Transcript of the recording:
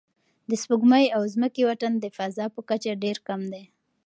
د سپوږمۍ او ځمکې واټن د فضا په کچه ډېر کم دی.